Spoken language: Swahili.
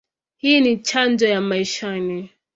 Hii ni chanjo ya maishani.